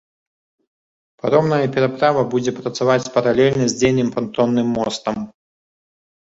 Паромная пераправа будзе працаваць паралельна з дзейным пантонным мостам.